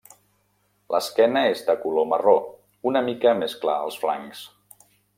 L'esquena és de color marró una mica més clar als flancs.